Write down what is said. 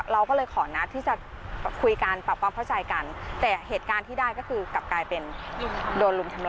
เราก็เลยขอนัดที่จะคุยกันปรับความเข้าใจกันแต่เหตุการณ์ที่ได้ก็คือกลับกลายเป็นโดนรุมทำร้าย